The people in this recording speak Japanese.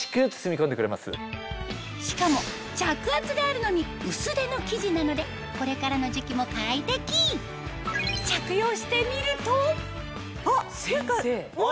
しかも着圧があるのに薄手の生地なのでこれからの時期も快適着用してみると先生！